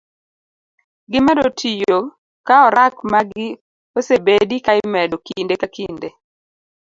Gimedo tiyo ka orak magi osebedi ka imedo kinde ka kinde